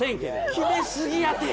決めすぎやて。